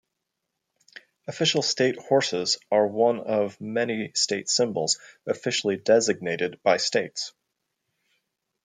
Official state horses are one of many state symbols officially designated by states.